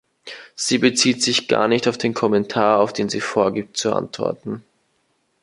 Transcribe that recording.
Sie bezieht sich gar nicht auf den Kommentar, auf den sie vorgibt, zu antworten.